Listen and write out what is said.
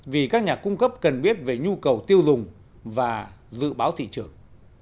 vì các nhà cung cấp cần biết về nhu cầu tiêu dùng và dự báo thị trường